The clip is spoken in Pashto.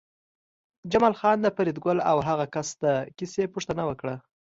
جمال خان د فریدګل او هغه کس د کیسې پوښتنه وکړه